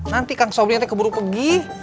nanti kang sobri nanti keburu pagi